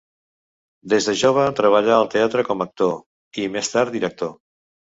Des de jove treballà al teatre com a actor i, més tard, director.